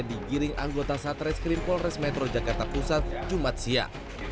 digiring anggota satreskrim polres metro jakarta pusat jumat siang